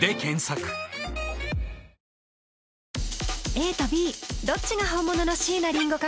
ＡとＢどっちが本物の椎名林檎か